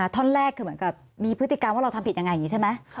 ท่อนแรกคือเหมือนกับมีพฤติกรรมว่าเราทำผิดยังไงอย่างนี้ใช่ไหม